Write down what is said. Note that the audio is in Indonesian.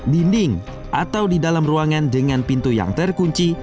dinding atau di dalam ruangan dengan pintu yang terkunci